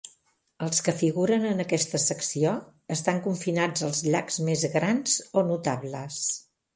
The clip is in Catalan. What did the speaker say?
Els que figuren en aquesta secció estan confinats als llacs més grans o notables.